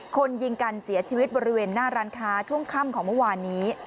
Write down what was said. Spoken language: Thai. คนยิงกันเสียชีวิตบริเวณหน้าร้านค้าช่วงค่ำของเมื่อวานนี้